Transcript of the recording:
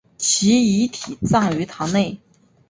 其遗体葬于堂内。